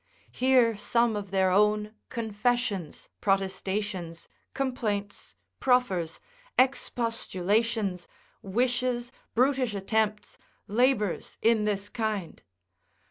Hear some of their own confessions, protestations, complaints, proffers, expostulations, wishes, brutish attempts, labours in this kind.